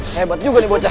hebat juga nih bocah